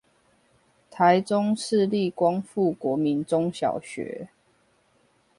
臺中市立光復國民中小學